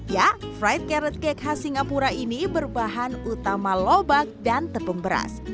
ya flight carrot cake khas singapura ini berbahan utama lobak dan tepung beras